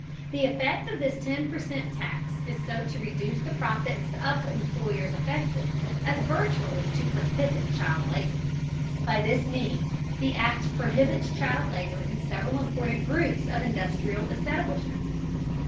The effect of this ten per cent tax is so to reduce the profits of the employers affected, as virtually to prohibit child labor. By this means the act prohibits child labor in several important groups of industrial establishments.